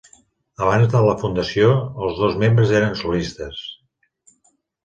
Abans de la fundació, els dos membres eren solistes.